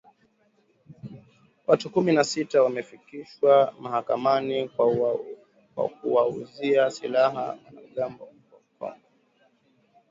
Watu kumi na sita wamefikishwa mahakamani kwa kuwauzia silaha wanamgambo huko Kongo